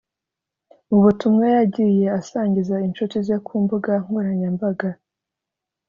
Mu butumwa yagiye asangiza inshuti ze ku mbuga nkoranyambaga